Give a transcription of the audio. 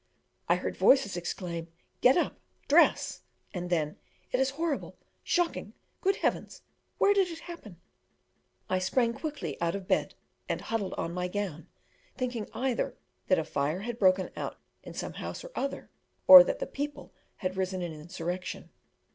I heard voices exclaim, "Get up, dress!" and then, "It is horrible shocking good heavens? where did it happen?" I sprang quickly out of bed and huddled on my gown, thinking either that a fire had broken out in some house or other, or that the people had risen in insurrection.